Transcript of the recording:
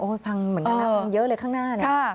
โอ้โฮพังเหมือนกันนะเยอะเลยข้างหน้า